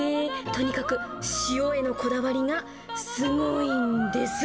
とにかく塩へのこだわりがすごいんです。